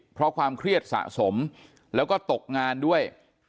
เพราะความเครียดสะสมแล้วก็ตกงานด้วย